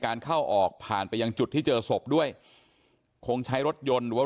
เข้าออกผ่านไปยังจุดที่เจอศพด้วยคงใช้รถยนต์หรือว่า